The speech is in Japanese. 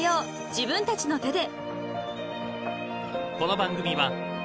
自分たちの手で］